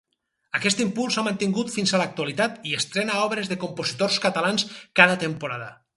Aquest impuls s'ha mantingut fins a l'actualitat i estrena obres de compositors catalans cada temporada.